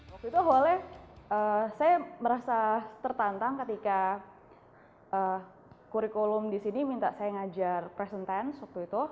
waktu itu awalnya saya merasa tertantang ketika kurikulum di sini minta saya ngajar presentance waktu itu